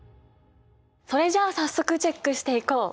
それじゃあ早速チェックしていこう。